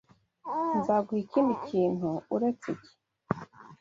Nzaguha ikindi kintu uretse iki.